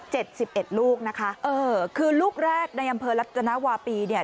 สิบเอ็ดลูกนะคะเออคือลูกแรกในอำเภอรัตนวาปีเนี่ย